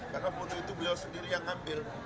karena foto itu beliau sendiri yang ambil